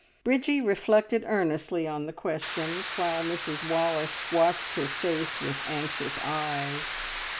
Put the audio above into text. Bridgie reflected earnestly on the questions, while Mrs Wallace watched her face with anxious eyes.